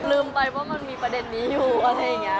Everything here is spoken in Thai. ลืมไปว่ามันมีประเด็นนี้อยู่อะไรอย่างนี้